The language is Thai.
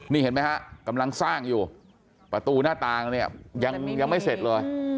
นี่เห็นไหมฮะกำลังสร้างอยู่ประตูหน้าต่างเนี่ยยังไม่เสร็จเลย